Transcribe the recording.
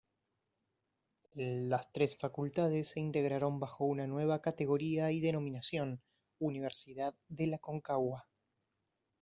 Las tres facultades se integraron bajo una nueva categoría y denominación: Universidad del Aconcagua.